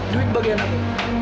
duit bagian aku